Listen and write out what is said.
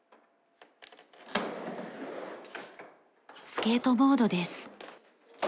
スケートボードです。